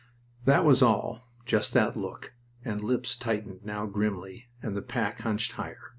That was all, just that look, and lips tightened now grimly, and the pack hunched higher.